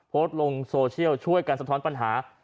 โพสต์ลงโซเชียลช่วยกันสะท้อนปัญหา